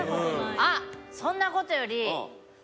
あっそんなことより。